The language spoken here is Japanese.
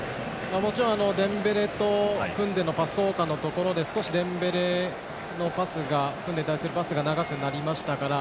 もちろんデンベレとクンデのパス交換のところで少しデンベレのクンデに対するパスが長くなりましたから。